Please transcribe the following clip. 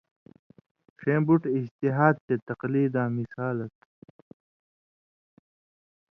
ݜیں بُٹ اِجتہاد تے تقلیداں مِثالہ تھہ۔